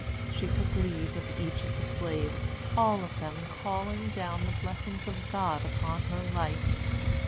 She took leave of each of the slaves, all of them calling down the blessings of God upon her life.